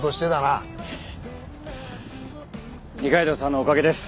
二階堂さんのおかげです。